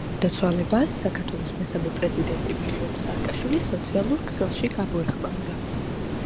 მის გარდაცვალებას საქართველოს მესამე პრეზიდენტი მიხეილ სააკაშვილი სოციალურ ქსელში გამოეხმაურა.